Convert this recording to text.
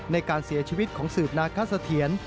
ในการเสียชีวิตของสืบนาคสะเทียน